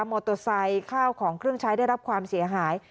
มอเตอร์ไซค์ข้าวของเครื่องใช้ได้รับความเสียหาย